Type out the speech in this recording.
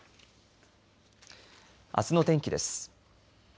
あすの天気です。